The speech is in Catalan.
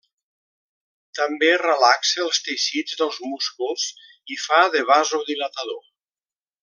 També relaxa els teixits dels músculs i fa de vasodilatador.